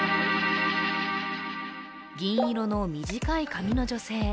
銀色の短い髪の女性。